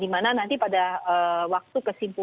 di mana nanti pada waktu kesimpulan